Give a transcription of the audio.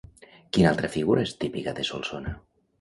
Quina altra figura és típica de Solsona?